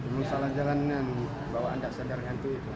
belum salah jalanan bawa anda sadar ngantuin